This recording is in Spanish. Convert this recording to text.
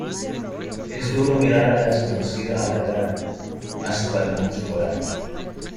Es duro mirar a la Desconocida a la cara, hace falta mucho coraje.